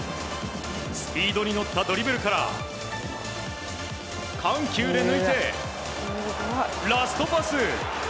スピードに乗ったドリブルから緩急で抜いてラストパス。